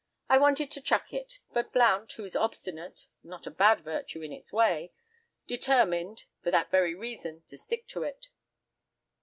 I wanted to chuck it, but Blount, who is obstinate (not a bad virtue, in its way), determined, for that very reason, to stick to it.